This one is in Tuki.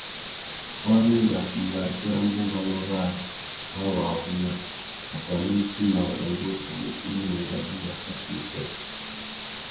Waringa nātê râ bunganô râā râ wa wuna a tà idjima wanda uwú i mà enga indi a fatiya upwê.